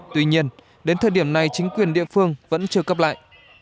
tuy nhiên đến thời điểm này chính quyền địa phương vẫn chưa cấp lại